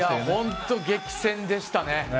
本当に激戦でしたね。